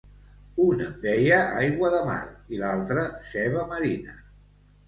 Un em deia aigua de mar i, l'altre, ceba marina.